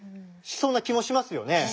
しそうな気もしますよね。